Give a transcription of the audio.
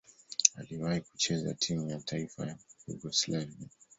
Aliwahi kucheza timu ya taifa ya Yugoslavia.